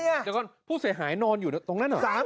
เดี๋ยวก่อนผู้เสียหายนอนอยู่ตรงนั้นเหรอ